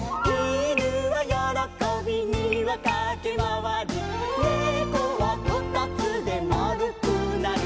「犬はよろこびにわかけまわり」「猫はこたつでまるくなる」